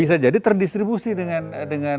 bisa jadi terdistribusi dengan apa namanya dengan